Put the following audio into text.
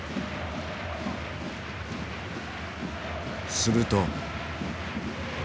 すると。